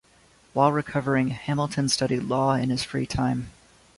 While recovering, Hamilton studied law in his free time.